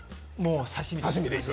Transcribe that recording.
刺身です。